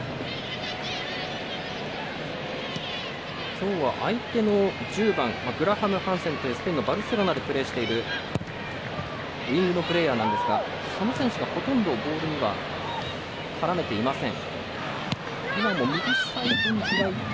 今日は相手の１０番グラハムハンセンというスペインのバルセロナでプレーしているプレーヤーなんですがその選手が、ほとんどボールには絡めていません。